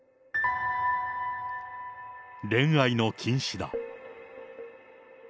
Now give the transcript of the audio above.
恋愛の禁止だ。